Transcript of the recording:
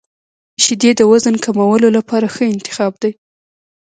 • شیدې د وزن کمولو لپاره ښه انتخاب دي.